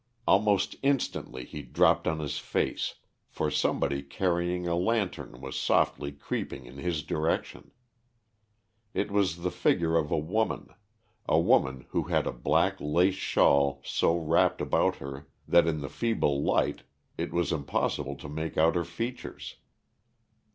Almost instantly he dropped on his face, for somebody carrying a lantern was softly creeping in his direction. It was the figure of a woman, a woman who had a black lace shawl so wrapped about her that in the feeble light it was impossible to make out her features.